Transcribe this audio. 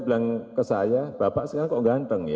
bilang ke saya bapak sekarang kok ganteng ya